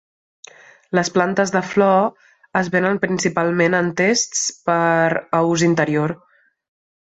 Les plantes de flor es venen principalment en tests per a ús interior.